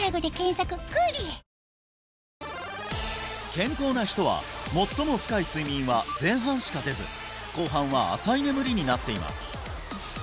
健康な人は最も深い睡眠は前半しか出ず後半は浅い眠りになっています